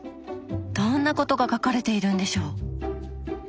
どんなことが書かれているんでしょう？